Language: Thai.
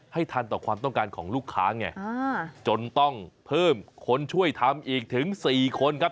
ทันต่อความต้องการของลูกค้าไงจนต้องเพิ่มคนช่วยทำอีกถึง๔คนครับ